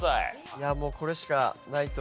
いやもうこれしかないと。